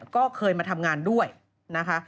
ก็เคยมาทำงานด้วยนะคะ